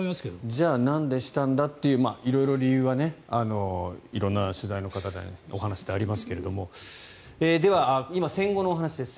じゃあなんでしたんだって色々理由は色んな取材の方からお話がありますが今、戦後のお話です。